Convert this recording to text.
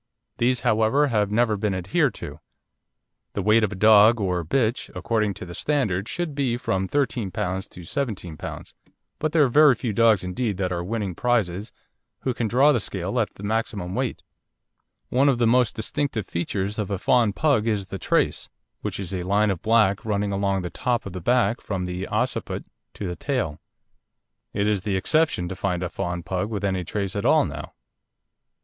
These, however, have never been adhered to. The weight of a dog or bitch, according to the standard, should be from 13 lb. to 17 lb., but there are very few dogs indeed that are winning prizes who can draw the scale at the maximum weight. One of the most distinctive features of a fawn Pug is the trace, which is a line of black running along the top of the back from the occiput to the tail. It is the exception to find a fawn Pug with any trace at all now.